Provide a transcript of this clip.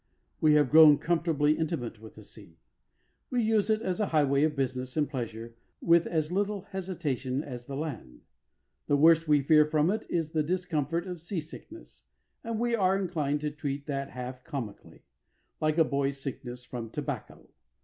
We have grown comfortably intimate with the sea. We use it as a highway of business and pleasure with as little hesitation as the land. The worst we fear from it is the discomfort of sea sickness, and we are inclined to treat that half comically, like a boy's sickness from tobacco.